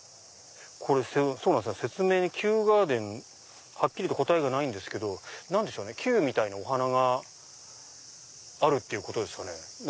これ説明に球ガーデンはっきり答えがないんですけど球みたいなお花があるってことですかね。